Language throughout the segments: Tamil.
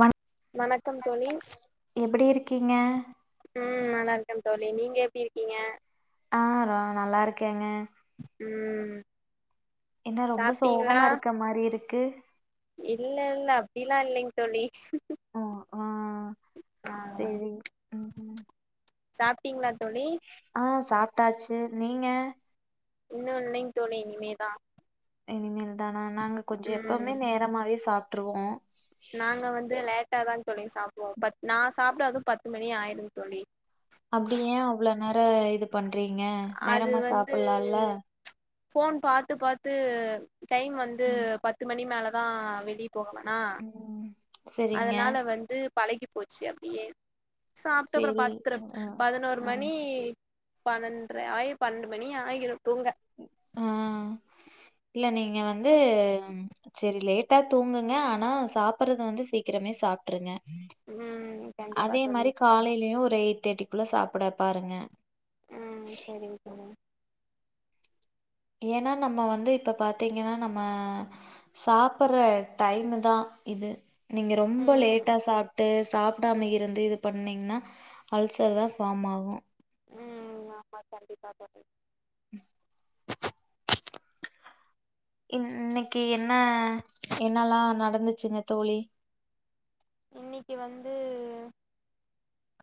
வண் வணக்கம் தோழி எப்பிடி இருக்கீங்க ம் நல்லா இருக்கே தோலி நீங்க எப்டி இருக்கீங்க ஆ ரோ நல்லா ருக்கேங்க உம் என்ன ரொம்ப சோகமா இருக்க மாரி இருக்கு க்கு இல்ல இல்ல அப்டில்லா இல்லைங்க தோழி ம் ஆ அ சேரி ம் சாப்பிட்டீங்ளா தோழி சாப்டாச்சு நீங்க இன்னு இல்லைங் தோழி இனிமே தா இனிமே தா நாங்க கொஞ்சு எப்வுமே நேரமாவே சாப் ட்ருவோ நாங்க வந்து லே லேட்டா தான் தோழி சாப்பிடுோம் ப நான் சாப்பிடற அதுும் பத்து மணி ஆயிரும் தோழி அப்படியேன் அவ்ளவு நேர இது பண் ீங்க நேரமா சாப்பிடலாம்ல போன் பார்த்து பார்த்து டைம் வந்து ம் பத்து மணி மேல தான் வெடி போகனா ம் செரிங்க அதனால வந்து பழகி போச்சு அப்படியே சாப்ட்ட அப்புறம் சேரி பத்தர ஆ பதினோரு ஆ மணி பன்னன்டு ஆய பன்னெண்டு மணி ஆயுறும் தூங்க ஆஹ் இல்ல நீங்க வந்து சரி லேட்டா தூங்குங்க ஆனா சாப்படுறது வந்து சீக்கிரமே சாப்ட்ருங்க ம் கண்டிப்பா அதே தோழி மாரி காலையிலயும் ஒரு தேட்டிக்குள்ள சாப்புட பாருங்க ஆ சரிங்கக்க ஏன்னா நம்ம வந்து இப்ப பாத்தீங்கன்னா நம்ம சாப்பற டைம் தான் இது நீங்க ரொம்ப ம் லேட்டா சாப்ட்டு சாப்பிடாம இருந்து இது பண்ணீங்கன்னா அல்சலர் தான் ஃபார்ம் ஆகும் ம் ஆமா கண்டிப்பா தோழி இன்னைக்கு என்ன என்னல்லாம் நடந்துச்சுங்க தோழி இன்னைக்கு வந்து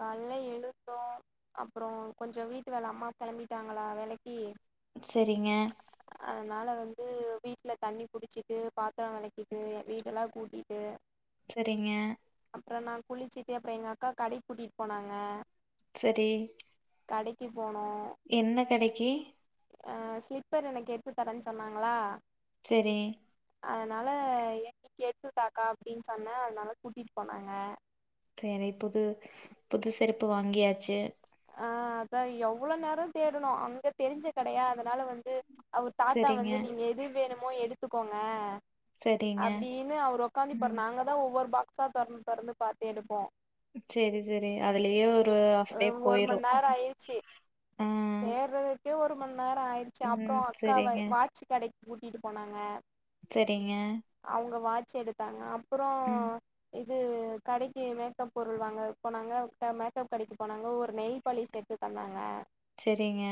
கலை எழுத்தம் அப்புறம் கொஞ்சம் வீட்டு வேலை அம்மா கிளம்பிட்டாங்களா வேலைக்கீ சரிங்க இது வீட்ல தண்ணி புடிச்சிட்டு பாத்திரம் வெலக்கிட்டு வீட்டு எல்லாம் கூட்டிட்டு சரிங்க அப்புறம் நான் குளிச்சுட்டு அப்புறம் எங்க அக்கா கடை கூட்டிட்டு போனாங்க சரி கடை என்ன கிடைக்கு ஆ ஸ்லீப்பர் எனக்கு எத்து தரேன்னு சொன்னாங்களா சரி அதனால என் நீக்கு எடுத்துட்டாக்கா அப்படின்னு சொன்னேன் அதனால கூட்டிட்டு போனாங்க சரி புது புது செருப்பு வாங்கியாச்சு ஆ அதான் எவ்வளோ நேரம் தேடணும் அங்க தெரிஞ்ச கிடையா அதனால வந்து அவர் தாத்தா சரிங்க வந்து நீங்க எது வேணும் எடுத்துக்கோங்க சரிங்க அப்படின்னு அவர் ம் உக்காந்துப்பரு நாங்கதான் ஒவ்வொரு ப திறந்து திறந்து பார்த்து எடுப்போம் செரி செரி அதுலயே ஒரு ஹாஃப் டே ஒரு போயிரு மணி நேரோ ஆயிருச்சு ஆ சேர்து கே ஒரு மண் நேரம் ஆயிடுச்சு அப்ரோ ம் அக்கா செரிங்க வாட்சி கிடைக் ஊட்டிட்டு போனாங்க சரிங்க சி எடுத்தாங்க அப்ரோ இ கடைக்கு மேக்கப் பொருள் வாங்க போனாங்க மேப் கடைக்கு போனாங்க ஒரு ப்ப நெயில் பாலிஷ் எடுத்துத் தந்தாங்க சரிங்க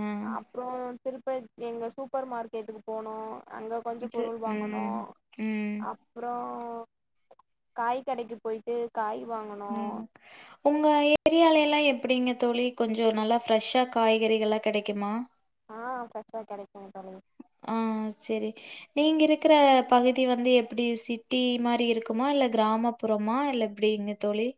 ஆஹ். உம் இப்போ எங்க சூப்பர் மார்க்கெட்டுக்கு போனோ அங்கே கொஞ்சோ சே பொருள் வாங்கணு ம் ம் அப்ரோ காய் கடைக்கு போயிட்டு காய் வாங்கனோ உம் உங்க ஏரியால எல்லா படிங்க தோழி கொஞ்சோ நல்லா ஃப்ரெஷ்ஷா காய்கறிகள எல்லா கிடைக்குமா ஆஹ் ஃப்ரெஷ்ஷா கிடைக்கு தொழ ஆஹ் சரி நீங்க இருக்கிற பகுதி வந்து எப்படி சிட்டி மாதிரி இருக்குமா இல்ல கிராமப்புறமா இல்ல எப்படிங்க தோழி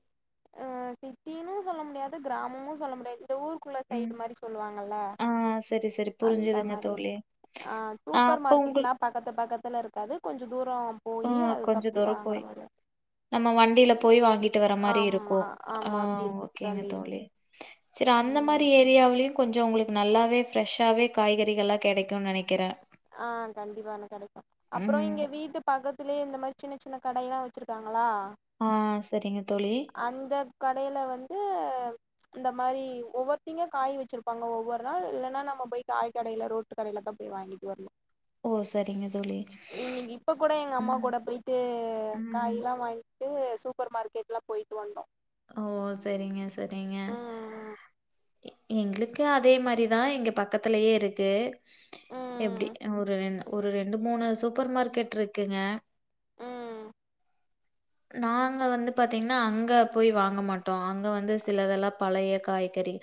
அஹ சிட்டினும் சொல்ல முடியாது கிராமமும் சொல்ல முடியாது ஊருக்குள்ள ம் சைடு மாதிரி சொல்லுவாங்க ஆ செரி செரி அந்த புரிஞ்சுதுங்க மாதிரி தோழி ஆ சூப்பர் அப்ப மார்க்கெட்லா பக்கத்து பக்கத்து இருக்காது கொஞ்சோ தூரோ போயி ஆஹ் கொஞ்சோ அதுக்கப் தூரம் வாங்குற போய் மாரி நம்ம வண்டியில போய் வாங்கிட்டு வர மாரி இருக்கு ஆமா ஆமா அப்டி இருக்கு ஓகேங்க தோழி தோ சரி அந்த ம் மாதிரி ஏரியாவிலு கொஞ்சோ உங்களுக்கு நல்லாவே ரெஷ்ஷாவே காய்கறிகள்ல்லா கிடைக்குனு நினைக்கிற ஆ கண்டிப்பான கடைக்கு அப்ரோ ம். இங்க வீட்டு பக்கத் திலயே இந்த மாரி சின்ன சின்ன கடயெல்லா வச்சிருக்காங்களா ஆ ம். சரிங்க தோழி. அந்த கடைல வந்து அந்த மாரி ஒவ்வொருத்திங்க காய் வச்சிருப்பாங்க ஒவ்வொரு நாள் இல்லன்னா நம்ம போய் காய் கடைல ரோட்டு கடைல தான் போய் வாங்கிட்டு வர்ணு ஓ! சரிங்க தோழி. இன்னிக்கி இப்ப கூட எங்க அம்மா ம். கூட போயிட்டு ம். காயில்லா வாங் சூப்பர் மார்க்கெட்ளா போயிட்டு வந்தோம் ஓ செரிங்க செரிங்க ம் எங்களுக்கு அதே மாரிதா எங்க பக்கத்தலயே இருக்கு எப்டி ம் ஒரு ரெண் ஒரு ரெண்டு மூணு சூப்பர் மார்க்கெட் இருக்குங்க ம் நாங்க வந்து பாத்தீங்கன்னா அங்க போய் வாங்க மாட்டோ அங்க வந்து சிலதெல்லா பழய காய்கறி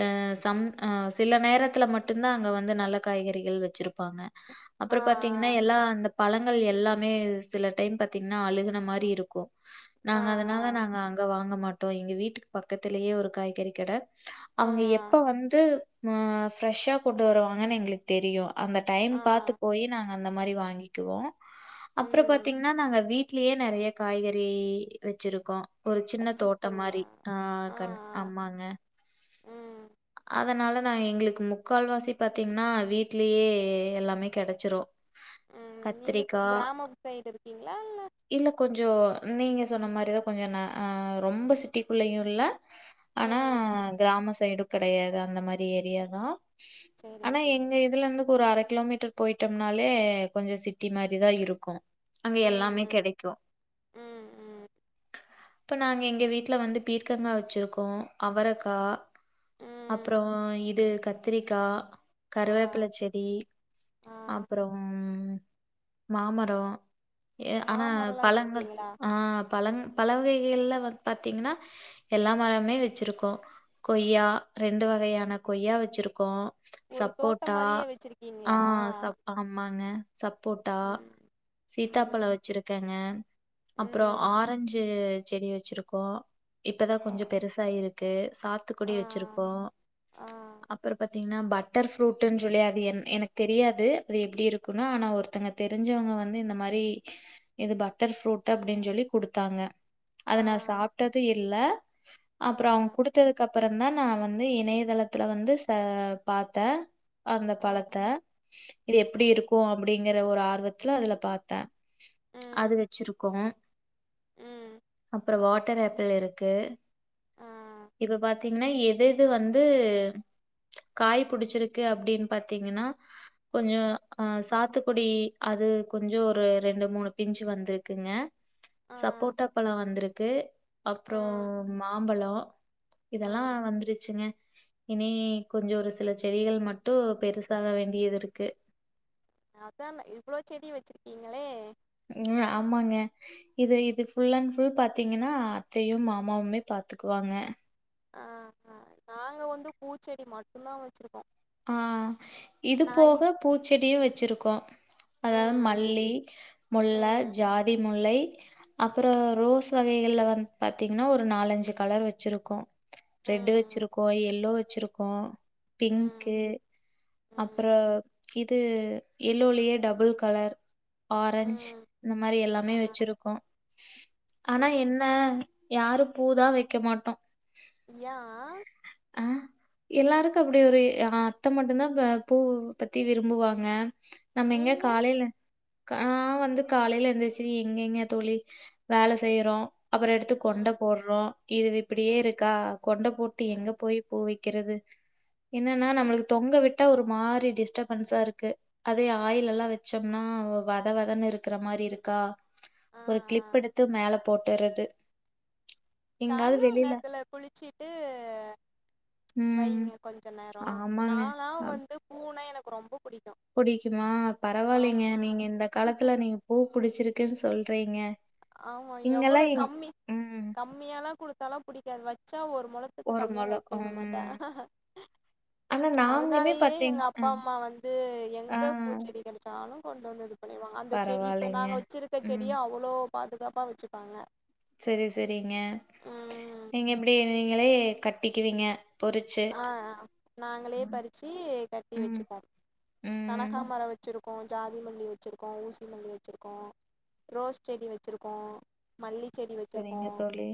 ஆ. சம் ஆ சில நேரத்துல மட்டுந்தா அங்க வந்து நல்ல காய்கறிகள் வச்சிருப் பாங்க ஆ அப்ரோ பாத்தீங்கன்னா எல்லா அந்த பழங்கள் எல்லாமே சில டைம் பாத்தீங்கன்னா அழுகுன மாறி இருக் கோ ஆ நாங்க அதனால நாங்க அங்க வாங்கப் மாட்டோ எங்க வீட்டுக்கு பக்கத்துலேயே ஒரு காய்கறி கட ஆ அவங்க எப்ப வந்து மஆ ஃப்ரெஷ்ஷா கொண்டு வருவாங்கன்னு எங்களுக்கு தெரியும் அந்த டைம் ஆ ஆ பாத்து போய் நாங் அந்த மாறி வாங்கிக்குவோம் அப்புறோ ம் பாத்தீங்கன்னா நாங்க வீட் லியே நெறைய காய்கறி வச்சிருக்கோம் ஒரு சின்ன தோட்ட வச்சிருக்கீங்களா மாறி ஆஆ ஆ கண் ஆமாங்க ஆ ம் அதனால நா எங்ளுக்கு முக்கால் வாசி பாத்தீங்கன்னா வீட்லேயே எல்லாமே கெடைச்சிரும் உம் நீங்க கத்திரிக்கா கிராம சைடு இருக்கீங்களா இல்ல கொஞ்சோ நீங்க சொன்ன மாறிதா கொஞ்சோ நா ஆ ரொம்ப சிட்டிக்குள்ளயும் இல்ல ஆனா ம் கிராம சைடு கெடையாது அந்த மாறி ஏரியா தான் சேரிங்க ஆனா தோழி எங்க இதுல இருந்து ஒரு அர கிலோமீட்டர் போயிட்டோம்னாலே கொஞ்ச சிட்டி மாறிதான் இருக்கும் அங்க எல்லாமே ம் கெடைக்கும் ம் ம் இப்ப நாங்க எங்க வீட்டுல வந்து பீர்கங்கா வச்சிருக்கோம் அவரக்கா ம் அப்புறோ ஆ இது கத்திரிக்கா ஆ கருவேப்பில செடி ஆ அப்றோம் மாமரம் ஏ ஆனா மாமரம்லா பழங்கள் வச்சிருக்கீங்களா ஆ ஆ பழங் பல வகைகள்லா வந் பாத்தீங்ன்னா எல்லா மரமே வச்சிருக்கோ கொய்யா ரெண்டு வகையான கொய்யா வச்சிருக்கோ ஒரு தோட்டம் சப்போட்டா மாரியே ஆ வச்சிருக்கீங்களா சப் ஆமாங்க சப்போட்டா ம் சீத்தாபழ ம் வச்சிருக்கே [unintelligible] அப்பறோ ம் ஆரஞ்சு செடி வச்சுருக்கோம் இப்பதான் ஆ கொஞ்சோ பெருசாயிருக்கு சாத்துக்குடி ஆ வச்சிருக் ப்போ ஆ அப்பறோ பாத்தீங்கன்னா பட்டர் ஃப்ரூட்ன்னு சொல்லி அது என் எனக்கு தெரியாது அது எப்படி இருக்குன்னு ஆனா ஒருத்தங்க தெரிஞ்சவங்க வந்து இந்த மாறி இது பட்டர் ஃப்ரூட் அப்படின்னு சொல்லி குடுத்தாங்க அத ஆ நா சாப்ட்டது இல்ல ஆ அப்பறோ அவங்க குடுத்ததுக்கு அப்பறந்தா நா வ ந்து இணையதளத்துல வந்து ச பாத்த அந்த ஆ பழத்த இது ஆ எப்டி இருக்கு அப் அப்டிங்கற ஒரு ஆர்வத்துல அதுல பாத்த ம் அது வச்சிருக்கோ ம் அப்பறோ வாட் டர் ஆப்பிள் இருக்கு ஆ இப்ப பாத் திங்னா எது எது வந்து காய் புடிச்சிருக்கு அப்டின்னு பாத்தீங்கனா கொஞ்சோ அ சாத்துக்குடி அது கொஞ்சோ ஒரு ரெண்டு மூணு பிஞ்சு வந்துருக்குங்க ஆ சப்போட்டா பழ வந்துருக் க்கு அப்றோ ம் மாம்பழ கோ இதெல்லா ம் வந்துருச் ங்க இனி கொஞ்சோ ஒரு சில செடிகள் மட்டு பெருசாக வேண்டியது இருக்கு அதான இவ்ளோ செடி வச்சிருக்கீங்களே ம் ஆமாங்க இது இது ஃபுல் அண்ட் ஃபுல் பாத்தீங்கனா அத்தையு மாமாவுமே பாத்துக்குவாங்க ஆ ஆ நாங்க வந்து பூச்செடி மட்டுந்தா வச்சுருக்கோ ஆ இது போக பூச்செடியு வச் ச்சிருக்கோ அதாவது ம் மல்லி முல்ல ம் ஜாதி முல்லை அப்பறோ ரோஸ் வகைகள்ல வந்து பாத்தீங்கனா ஒரு நாலஞ்சு கலர் வச்சுருக்கோ ம் ரெட்டு் ம் வச்சிருக்கோ எல்லோ வச்சிருக்கோ பிங் ம் கு ம் ம் அப்பறோ இது எல்லோலேயே டபுள் கலர் ஆரஞ்ச் ம் இந்த மாரி ஆ எல்லாமே வச்சிருக்கோ ஆனா சரி என்ன யாரு பூ தா வைக்க மாட்டோ யா அ எல்லாருக்கு அப்டி ஒரு அ அத்த மட்டுந்தா பூ பத்தி விரும்புவாங்க நம்ம எங்க நீங்க காலைல கா வந்து காலையில எந்துருச்சு எங்க எங்க தோழி வேலை செய்யறோ அப்புறம் எடுத்து கொண்டா ம் போடுறோம் இது இப்படியே ம் இருக்கா கொண்டை போ ஆ போய் பூ வைக்கிறது என்னன்னா நம்மலுக்கு தொங்க விட் க ஒரு மாதிரி டிஸ்டபன்ஸ்சா இருக்கு அதே ஆயில் எல்லாம் வச்சோம்னா வத வதன்னு இருக்கிற மாதிரி இருக்கா ஆ ஆ ஒரு கிளிப் எடுத்து மேல போட்டுறது எங்காவது சாய்ங்கால வெளியில நேரத்துல குளிச்சிட்டு அ ம் வைங்க கொஞ்ச நேரம் ஆமாங்க நாலா வந்து பூ பூ னா எனக்கு ரொம்ப புடிக்கு புடிக்குமா பரவாயில்லைங்க ஆமா நீங்க இந்த காலத்துல நீங்க பூ புடிச்சிருக்குன்னு சொல்றீங்க ஆ இங்கெல்லாம் எவ்வளவு எங்- கம்மி ம் கம்மிய எல்லாம் கொடுத்தாலும் பிடிக்காது வை [unintelligible] ஒரு முழத்துக்கு ஒரு கம்மியா முளம் வைக்க மாட்ட ம் ஆனா நாங்களுமே அதனாலேயே பாத்தீங் எங்க அ அப்பா அம்மா வந்து ஆ எங்க பூச்செடி கிடைச்சாலும் கொண்டு வந்தது பண்ணுவாங்க அந்த செடி இப்ப பரவாயில்லைங்க. நாங்க வச்சிருக்க ம். செடியா அவ்வளோ பாதுகாப்பா வெச்சுக்கோங்க சரி சரிங்க ம் நீங்க எப்படி நீங்களே கட் வெக்கிறீங்க ஆஹ நாங்களே பறுச்சு கட்டி ம், வச்சுப்போம் ம். கனகாமரம் வச்சிருக் ஆஹ் ஜாதி மல்லி வச்சிருக்கோ ஊசி மல்லி வச்சிருக்கோ ரோஸ் செடி வச்சிருக்கோ மல்லி செடி வச்சிருக்கோ சரிங்க தோழி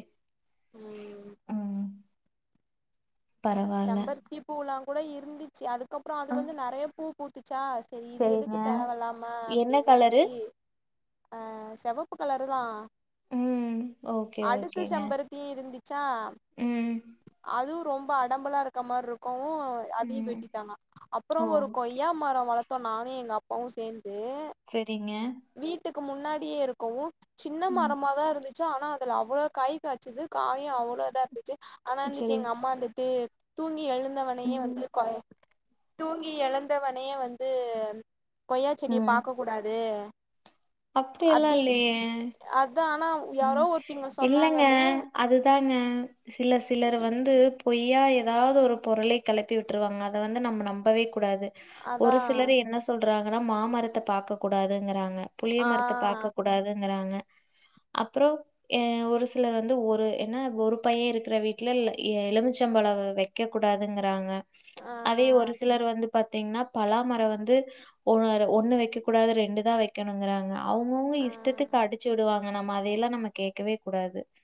ம் உம் செம்பருத்தி பூலா கூட இருந்துச்சு அதுக்கு அப்புறம் அது ஆ வந்து நெறைய பூ பூத்து ச்சா சரி இது சரிங்க. எதுக்கு தேவலாமா என்ன அப்படின்னு கலரு? சொல்லி அஹ் செவப்பு கலரு தா ம். ஓகே, அடுக்கு ஓகேங்க. சம்பரத்தி இருந்துச்சா ம், அதுவு ரொம்பா உடம்பலா இருக்க மாதிரி இருக்கும் இப்போ அதையும் ம். வெட்டிட்டாங்க ஓ அப்புறம் ஒரு கொய்யா மரம் வளத் நானு எங்க அப்பாவும் சேர்ந்து செரிங்க ட்டுக்கு முன்னாடியே இருக்குல சின்ன ம். மரமாதா இருந்துச் சு ஆனா அதுல அவ்ளோ காய் காச்சது காயு அவ்ளோ இதா இருந்து ச்சு ஆனா இன்னக்கி சரி. எங்க அம்மா இருந்த து தூங்கி எழுந் ந்தவனயே ம், வந்து கொய்ய தூங்கி எழுந்தவனே வந்து கொய்யா செடிய பாக்க கூடாது அப்டி எல்லா அப்டின் இல்லயே அதா ஆனா யாரோ ஒருத்திங்க இல்லங்க சொன்னாங்கன்னு அதுதாங்க ம் சிலர் சிலரு வந்து பொய்யா எதாவ்து ஒரு பொறலி கெளப்பி விட்டுருவாங்க அத வந்து நம்ம நம்பவே கூடாது அதா ஒரு சிலர் என்ன சொல்றா ஆனா மாமரத்த பாக்க கூடாதுங்கிறாங்க புளிய ஆ மரத்த பாக்க கூடாதுங்கிறாங்க அப்றோ ஏ ஒரு சிலர் வந்து ஒரு என்ன ஒரு பைய இருக்கிற வீட்ல ல எ எலும்ச்சம்பழ வ வெக்க கூடாதுங்கிறாங்க ஆ அதே ஒரு சிலர் வந்து பாத்தீங்னா பலாமர வந்து ஒரரு ஒன்னு வைக்கக்கூடாது ரெண்டுதா வைக் க்கனுங்கிறாங்க அவ்ங்கவ்ங்க ஆ இஷ்டத்துக்கு அடிச்சு விடுவாங் ம் நம்ம அதையெல்லா நம்ம கேக்கவேக்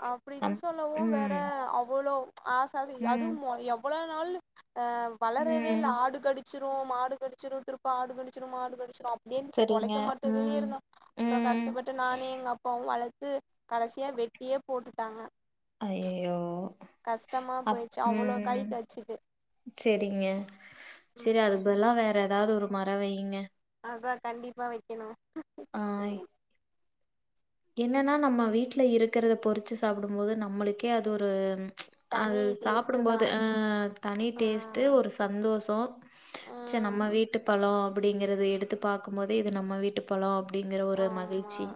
அப்டின்னு சொல்லவு வேற அவளோ ஆஹ் சரி ம். அதும் மோ எவ்வளோ நாலு அ வளரவேல்ல ம். ஆடு கடிச்சு அப்ரோ மாடு கடிச்சுரு திருப்ப ஆடு கடிச்சுரு மாடு கடிச்சிரு அப் ப்படிய இருந்துட்டு சரிங்க. பொழைக்க மாட்டதுன்னே ம். இருந்தோ அப்பற ம். கஷ்டப்பட்டு நானே எங்க அப்பாவு வள கடைசியா வெட்டி டியே போட்டுட்டாங்க அய்யய்யோ கஷ்டமா அ போயிடுச்சு அவ்வளோ காய் உம் காய்ச்சுது சரிங்க சரி அது ம் பதுலா வேற ஏதாவது ஒரு மர வைங்க அதா கண்டிப்பா வைக்கணு ஆ. என்னன்னா நம்ம வீட்டு்ல இருக்கிறத பொறிச்சு சாப்டு போது நம்மளுக்கே அது ஒரு அது தனி சாப்டு டேஸ்ட்டு தா போது அஹ் தனி ஆ டேஸ்ட்டு ஒரு சந்தோஷ தோக் ச நம்ம ம் வீட்டு பலோ அப்படிங்கறது எடுத்து பாக்கும் போதே இது நம்ம வீட்டு பழம் அப்டிங்கற ஒரு ஆமா மகிழ்ச்சி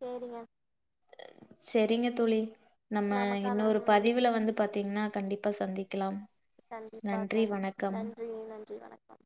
செரிங்க செரிங்க தோழி நம்ம நமக்கான இன்னொரு பதிவுல வந்து ப த்தீங்கன்னா கண்டிப்பா சந்திக்கலாம் கண்டிப்பா நன்றி, தணி வணக்கம். நன்றி நன்றி வணக்கம்